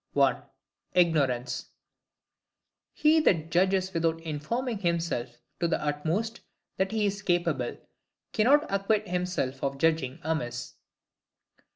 (i) IGNORANCE: He that judges without informing himself to the utmost that he is capable, cannot acquit himself of judging amiss.